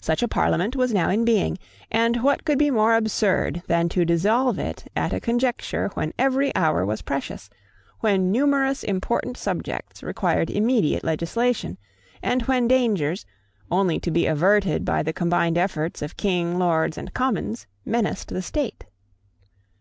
Such a Parliament was now in being; and what could be more absurd than to dissolve it at a conjuncture when every hour was precious, when numerous important subjects required immediate legislation, and when dangers, only to be averted by the combined efforts of King, Lords, and Commons, menaced the State?